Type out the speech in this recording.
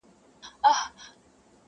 وايی په ښار کي محتسب ګرځي -